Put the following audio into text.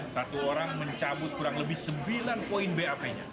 satu orang mencabut kurang lebih sembilan poin bap nya